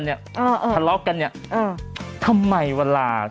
อ๋อเหรอเอา